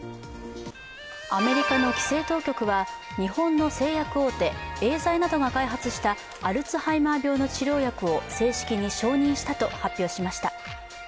アメリカの規制当局は日本の製薬大手エーザイなどが開発したアルツハイマー病の治療薬を正式に承認したと発表しました。